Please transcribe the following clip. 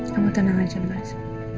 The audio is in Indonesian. kamu tenang aja mas